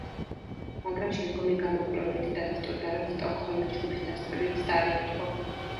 მაგრამ შემდგომი გამოკვლევებით დადასტურდა, რომ სტოკჰოლმის ჯგუფის დასკვნები მცდარი იყო.